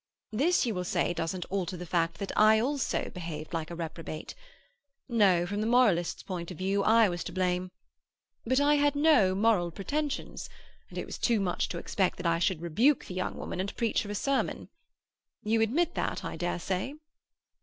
This, you will say, doesn't alter the fact that I also behaved like a reprobate. No; from the moralist's point of view I was to blame. But I had no moral pretentions, and it was too much to expect that I should rebuke the young woman and preach her a sermon. You admit that, I dare say?"